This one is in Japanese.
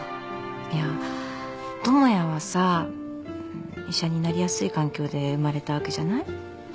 いや智也はさ医者になりやすい環境で生まれたわけじゃない？